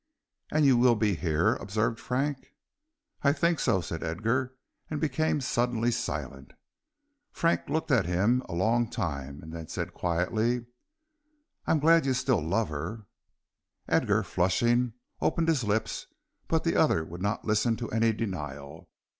"And you will be here," observed Frank. "I think so," said Edgar, and became suddenly silent. Frank looked at him a long time and then said quietly: "I am glad you love her still." Edgar, flushing, opened his lips, but the other would not listen to any denial.